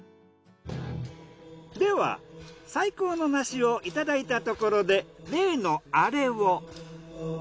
では最高の梨をいただいたところで例のアレを。